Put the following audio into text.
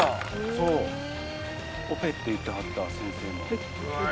そうオペって言ってはった先生も。